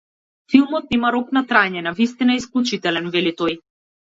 Филмот нема рок на траење, навистина е исклучителен, вели тој.